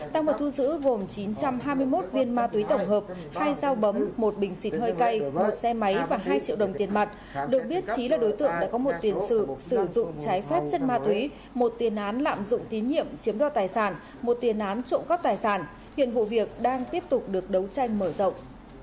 tăng vật thu giữ gồm chín trăm hai mươi một viên ma túy tổng hợp hai dao bấm một bình xịt hơi cay một xe máy và hai triệu đồng tiền mặt được biết trí là đối tượng đã có một tiền sử sử dụng trái phép chất ma túy một tiền án lạm dụng tín nhiệm chiếm đo tài sản một tiền án trộm cắp tài sản hiện vụ việc đang tiếp tục được đấu tranh mở rộng